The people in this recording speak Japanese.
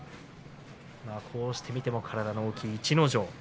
こうして見ると体の大きい逸ノ城